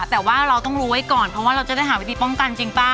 แต่ว่าเราต้องรู้ไว้ก่อนเพราะว่าเราจะได้หาวิธีป้องกันจริงป่ะ